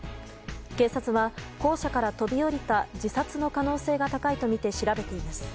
警察は校舎から飛び降りた自殺の可能性が高いとみて調べています。